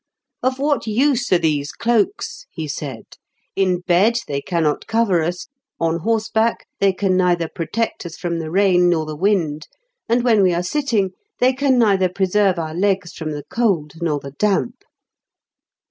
"Of what use are these cloaks?" he said; "in bed they cannot cover us, on horseback they can neither protect us from the rain nor the wind, and when we are sitting they can neither preserve our legs from the cold nor the damp."